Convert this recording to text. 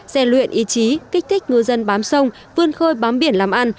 rèn luyện ý chí kích thích ngư dân bám sông vươn khơi bám biển làm ăn